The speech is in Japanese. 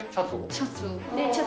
シャツを。